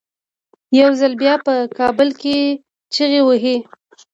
یو ځل بیا په کابل کې چیغې وهي.